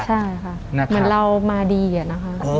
ใช่ค่ะเหมือนเรามาดีอะนะคะ